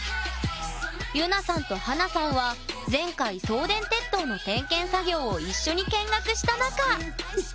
ゆなさんと華さんは前回送電鉄塔の点検作業を一緒に見学した仲。